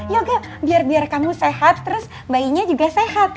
yoga biar biar kamu sehat terus bayinya juga sehat